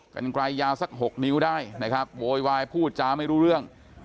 กันไกลยาวสัก๖นิ้วได้นะครับโวยวายพูดจาไม่รู้เรื่อง